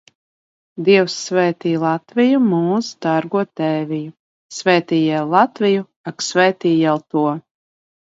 Dievs, sv?t? Latviju, M?s' d?rgo t?viju, Sv?t? jel Latviju, Ak, sv?t? jel to!